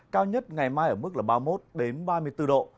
cao nhất ngày mai ở mức là ba mươi một đến ba mươi bốn độ